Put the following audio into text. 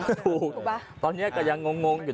ถูกป่ะตอนนี้ก็ยังงงอยู่